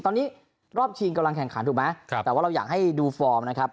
ตอนนี้รอบชิงกำลังแข่งขันถูกไหมครับแต่ว่าเราอยากให้ดูฟอร์มนะครับ